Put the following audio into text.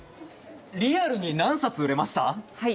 リアルに何冊売れました？